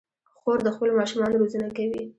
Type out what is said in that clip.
خور د خپلو ماشومانو روزنه کوي.